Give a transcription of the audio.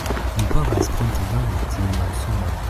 Mi povas pruntedoni tiun monsumon.